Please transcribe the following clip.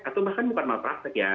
atau bahkan bukan malpraktek ya